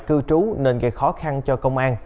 cư trú nên gây khó khăn cho công an